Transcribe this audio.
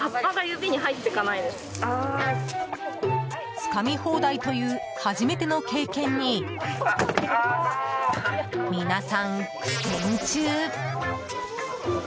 つかみ放題という初めての経験に、皆さん苦戦中。